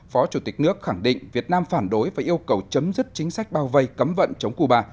phó chủ tịch nước khẳng định việt nam phản đối và yêu cầu chấm dứt chính sách bao vây cấm vận chống cuba